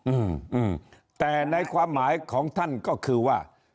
อืมอืมแต่ในความหมายของท่านก็คือว่า